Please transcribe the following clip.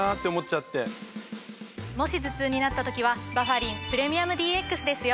もし頭痛になった時はバファリンプレミアムＤＸですよ。